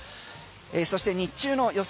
そして日中の予想